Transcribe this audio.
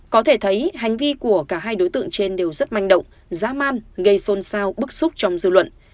có thể thấy hành vi của cả hai đối tượng trên đều rất manh động giá man gây xôn xao bức xúc trong dư luận